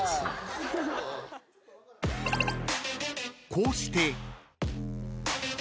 ［こうして］